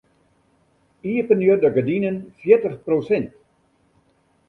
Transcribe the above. Iepenje de gerdinen fjirtich prosint.